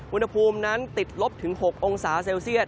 อุณหภูมินั้นติดลบถึง๖องศาเซลเซียต